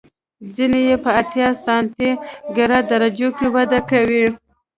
ځینې یې په اتیا سانتي ګراد درجو کې وده کوي.